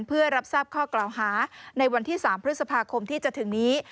เพื่อรับทราบข้อกล่าวหาในวันที่๓พฤษภาคมที่จะถึงนี้